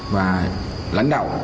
và lãnh đạo